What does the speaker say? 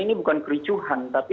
ini bukan kericuhan tapi